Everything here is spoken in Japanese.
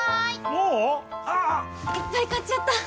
もう⁉ああ・・・いっぱい買っちゃった！